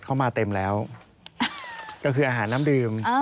สวัสดีค่ะที่จอมฝันครับ